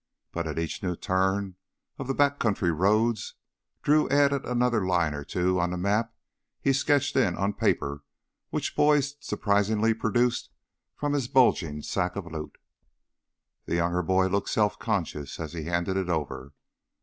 But at each new turn of the back country roads Drew added another line or two on the map he sketched in on paper which Boyd surprisingly produced from his bulging sack of loot. The younger boy looked self conscious as he handed it over.